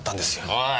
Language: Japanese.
おい！